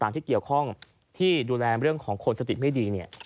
ที่เกี่ยวข้องที่ดูแลเรื่องของคนสติไม่ดีเนี่ย